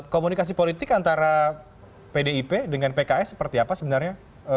komunikasi politik antara pdip dengan pks seperti apa sebenarnya